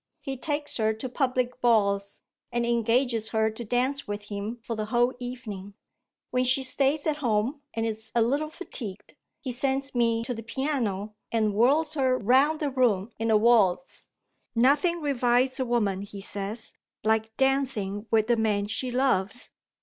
He takes her to public balls, and engages her to dance with him for the whole evening. When she stays at home and is a little fatigued, he sends me to the piano, and whirls her round the room in a waltz. 'Nothing revives a woman,' he says, 'like dancing with the man she loves.'